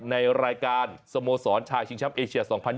ในรายการสโมสรชายชิงช้ำเอเชีย๒๐๒๐